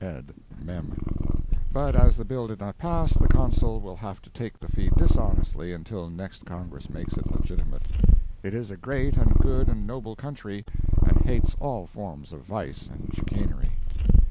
(Ed. Mem.)] but as the bill did not pass, the Consul will have to take the fee dishonestly until next Congress makes it legitimate. It is a great and good and noble country, and hates all forms of vice and chicanery.